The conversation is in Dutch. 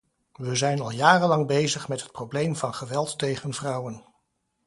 We zijn al jarenlang bezig met het probleem van geweld tegen vrouwen.